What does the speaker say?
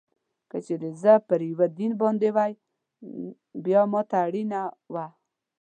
که چېرې زه پر یوه دین باندې وای، بیا ما ته اړینه وه.